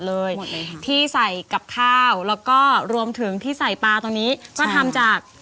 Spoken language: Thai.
แล้วก็รวมถึงที่ใส่ปลาตรงนี้ก็ทำจาก